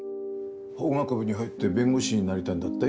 法学部に入って弁護士になりたいんだって？